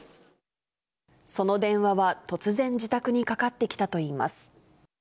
その電話は突然自宅にかかってきたといいます。